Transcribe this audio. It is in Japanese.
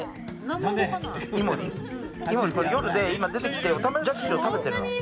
イモリ、夜で今出てきてオタマジャクシを食べてるの。